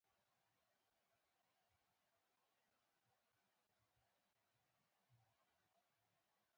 خو دا موارد په احصایو کې شامل نهدي